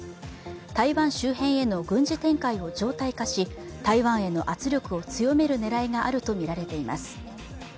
台湾周辺への軍事展開を常態化し、台湾への圧力を強める狙いがあるとみられています。